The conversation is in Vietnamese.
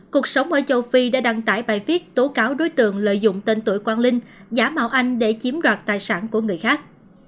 cuộc sống ở châu phi đã đăng tải bài viết tố cáo đối tượng lợi dụng tên tuổi quang linh giả mạo anh để chiếm đoạt tài sản của người khác